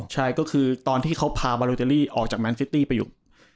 ใช่ก็คือตอนที่เขาพาบาลูเตอรี่ออกจากแมนซิตี้ไปอยู่